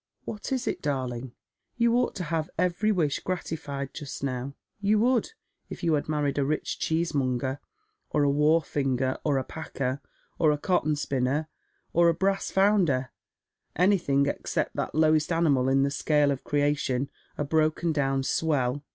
" What is it, darling ? You ought to have every wish gratified just now. You would, if you had married a rich cheesemonger, or a wharfinger, or a packer, or a cotton spinner, or a brass founder, anything except that lowest animal in the Bcale of creation, a broken down swell.